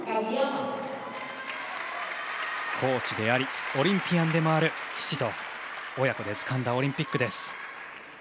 コーチでありオリンピアンでもある父と親子でつかんだオリンピックです。